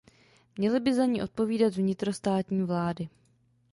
Měly by za ní odpovídat vnitrostátní vlády.